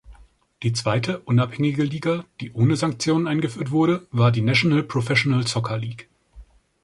Die zweite, unabhängige Liga, die ohne Sanktionen eingeführt wurde, war die National Professional Soccer League.